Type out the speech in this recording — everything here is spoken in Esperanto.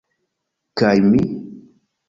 Kaj mi?